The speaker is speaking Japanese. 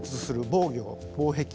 防御防壁。